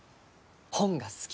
本が好き。